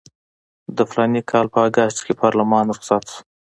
د فلاني کال په اګست کې پارلمان رخصت شو.